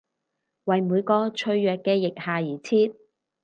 為每個脆弱嘅腋下而設！